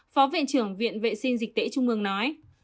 phó viện trưởng viện vệ sinh dịch tễ trung ương nói